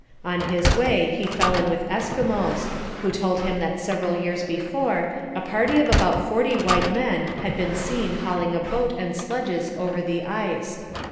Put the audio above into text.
On his way he fell in with Eskimos, who told him that several years before a party of about forty white men had been seen hauling a boat and sledges over the ice.